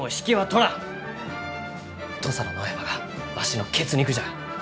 土佐の野山がわしの血肉じゃ。